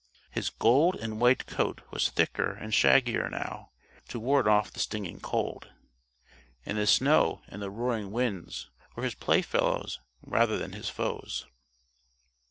His gold and white coat was thicker and shaggier now, to ward off the stinging cold. And the snow and the roaring winds were his playfellows rather than his foes.